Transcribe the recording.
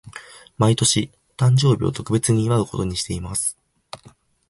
毎年、誕生日を特別に祝うことにしています。